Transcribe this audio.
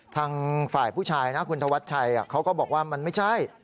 ทางฝ่ายผู้ชายนะคุณธวัชชัยเขาก็บอกว่ามันไม่ใช่